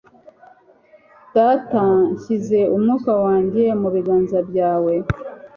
Data, nshyize umwuka wanjye mu biganza byawe."